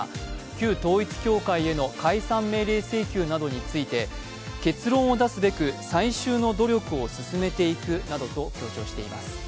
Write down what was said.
旧統一教会への解散命令請求などについて結論を出すべく最終の努力を進めていくなどと強調しています